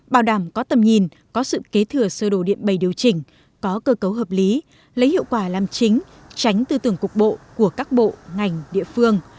bảo đảm có tầm nhìn có sự kế thừa sơ đổ điện bày điều chỉnh có cơ cấu hợp lý lấy hiệu quả làm chính tránh tư tưởng cục bộ của các bộ ngành địa phương